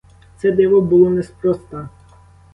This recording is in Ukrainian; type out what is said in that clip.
Це диво було неспроста.